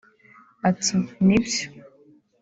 Ati “Ni byo